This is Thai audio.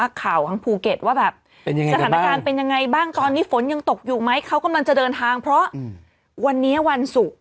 สถานการณ์เป็นยังไงบ้างตอนนี้ฝนยังตกอยู่ไหมมันกำลังจะเดินทางเพราะวันนี้วันศุกร์